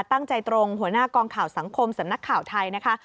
ตรงหัวหน้ากองข่าวสังคมสำนักข่าวไทยนะคะ